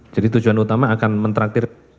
jadi tujuan utama akan menraktir